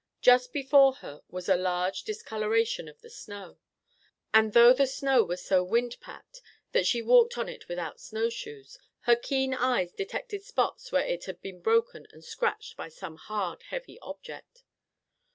Just before her was a large discoloration of the snow. And, though the snow was so wind packed that she walked on it without snowshoes, her keen eyes detected spots where it had been broken and scratched by some hard, heavy object.